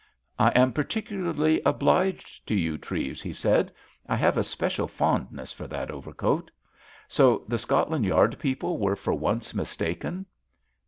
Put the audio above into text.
"I am particularly obliged to you, Treves," he said. "I have a special fondness for that overcoat? So the Scotland Yard people were for once mistaken."